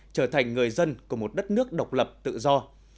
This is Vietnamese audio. trở thành người dân của một đất nước độc lập tự do